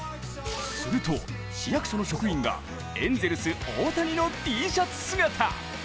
すると市役所の職員がエンゼルス・大谷のＴシャツ姿。